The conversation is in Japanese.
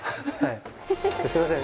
すいません